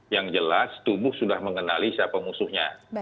yang jelas tubuh sudah mengenali siapa musuhnya